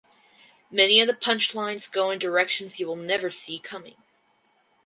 Many of the punchlines go in directions you will never see coming.